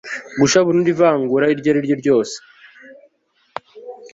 guca burundu ivangura iryo ari ryo ryose